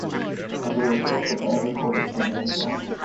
As a result, the band re-recorded some old songs.